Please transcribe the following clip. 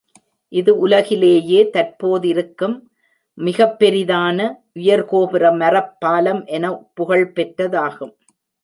இது உலகிலேயே தற்போதிருக்கும் மிகப்பெரிதான உயர்கோபுரப் மரப்பாலம் என புகழ்பெற்றதாகும்.